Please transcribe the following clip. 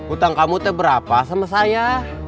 utang kamu itu berapa sama saya